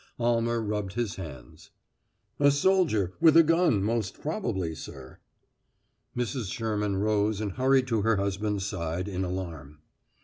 Almer rubbed his hands. "A soldier with a gun, most probably, sir." Mrs. Sherman rose and hurried to her husband's side, in alarm.